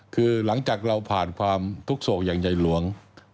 คือหลังจากเราผ่านความทุกโศกอย่างใหญ่หลวง